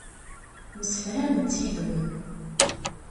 Msefhament yid-wen.